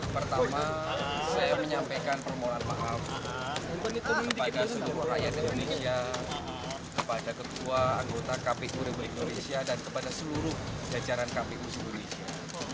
pertama saya menyampaikan permohonan maaf kepada seluruh rakyat indonesia kepada ketua anggota kpu republik indonesia dan kepada seluruh jajaran kpu seluruh indonesia